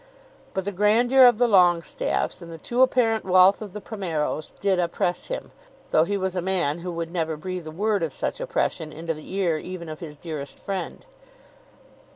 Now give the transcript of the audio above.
But the grandeur of the Longestaffes and the too apparent wealth of the Primeros did oppress him, though he was a man who would never breathe a word of such oppression into the ear even of his dearest friend.